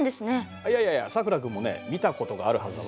いやいやいやさくら君もね見たことがあるはずだぞ。